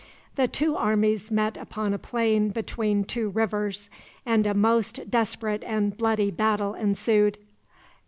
The two armies met upon a plain between two rivers, and a most desperate and bloody battle ensued.